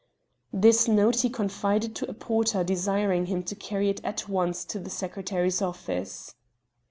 This note he confided to a porter desiring him to carry it at once to the secretary's office.